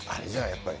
やっぱり。